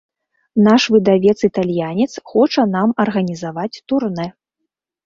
Наш выдавец-італьянец хоча нам арганізаваць турнэ.